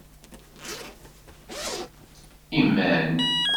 Iman.